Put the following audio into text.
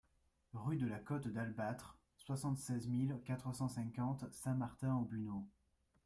Rue de la Côte d'Albatre, soixante-seize mille quatre cent cinquante Saint-Martin-aux-Buneaux